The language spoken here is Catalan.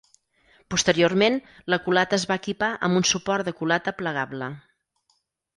Posteriorment, la culata es va equipar amb un suport de culata plegable.